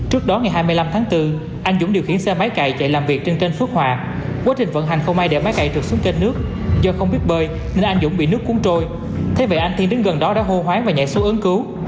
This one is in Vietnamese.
trước đó ngày hai mươi năm tháng bốn anh dũng điều khiển xe máy cạy chạy làm việc trên kênh phước hòa quá trình vận hành không ai để máy cạy trượt xuống kênh nước do không biết bơi nên anh dũng bị nước cuốn trôi thế vậy anh thiên đứng gần đó đã hô hoáng và nhảy xuống ấn cứu